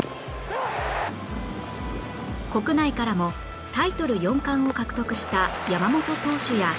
国内からもタイトル４冠を獲得した山本投手や